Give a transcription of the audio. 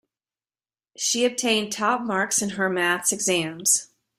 She obtained top marks in her maths exams.